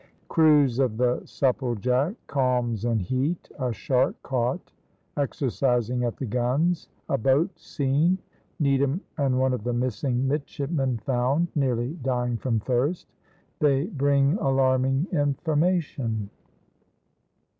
CRUISE OF THE SUPPLEJACK CALMS AND HEAT A SHARK CAUGHT EXERCISING AT THE GUNS A BOAT SEEN NEEDHAM AND ONE OF THE MISSING MIDSHIPMEN FOUND, NEARLY DYING FROM THIRST THEY BRING ALARMING INFORMATION.